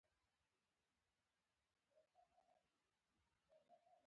مهرباني وکړئ بیاکتنه وکړئ